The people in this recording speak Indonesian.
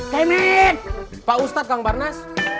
temit pak ustadz kang parnas